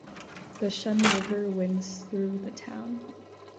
The Xun River winds through the town.